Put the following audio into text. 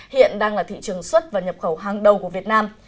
hiện đang là thị trường xuất và nhập khẩu hàng đầu của việt nam